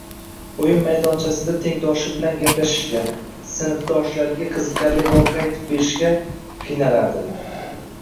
o‘yin maydonchasida tengdoshi bilan gaplashishga, sinfdoshlariga qiziqarli voqea aytib berishga – qiynaladilar.